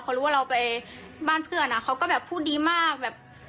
เขารู้ว่าเราไปบ้านเพื่อนเขาก็แบบพูดดีมากแบบ